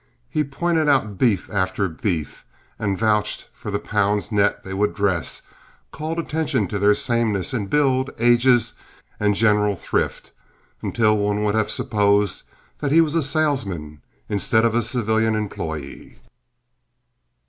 He pointed out beef after beef, and vouched for the pounds net they would dress, called attention to their sameness in build, ages, and general thrift, until one would have supposed that he was a salesman instead of a civilian employee.